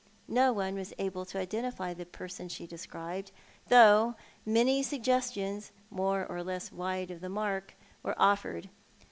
No one was able to identify the person she described, though many suggestions, more or less wide of the mark, were offered.